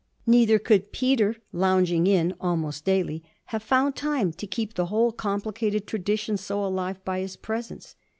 Neither could Peter, lounging in almost daily, have found time to keep the whole complicated tradition so alive by his presence.